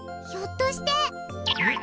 ひょっとして。